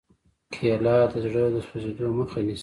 کېله د زړه د سوځېدو مخه نیسي.